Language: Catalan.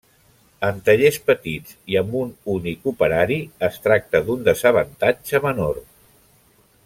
En tallers petits i amb un únic operari es tracta d'un desavantatge menor.